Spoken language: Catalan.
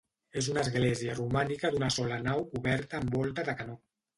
És una església romànica d'una sola nau coberta amb volta de canó.